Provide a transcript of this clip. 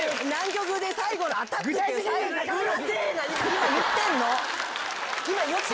今言ってんの！